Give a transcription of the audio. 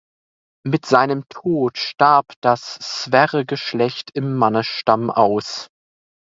Mit seinem Tod starb das Sverre-Geschlecht im Mannesstamm aus.